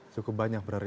cukup banyak berarti